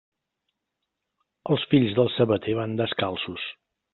Els fills del sabater van descalços.